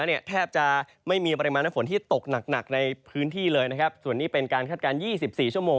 มีเทพศนือแทบจะไม่มีปริมาณหน้าฝนที่ตกหนักในพื้นที่ส่วนนี้เป็นการฆัดการ๒๔ชั่วโมง